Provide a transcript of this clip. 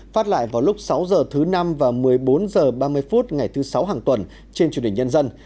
phát lại vào lúc sáu h thứ năm và một mươi bốn h ba mươi phút ngày thứ sáu hàng tuần trên truyền hình nhân dân